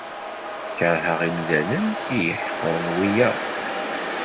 Keṛheɣ imdanen i iḥeqqren wiyaḍ.